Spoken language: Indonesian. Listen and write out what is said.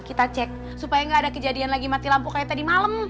kita cek supaya nggak ada kejadian lagi mati lampu kayak tadi malam